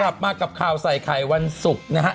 กลับมากับข่าวใส่ไข่วันศุกร์นะฮะ